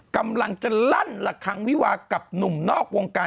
กำลังจะลั่นละคังวิวากับหนุ่มนอกวงการ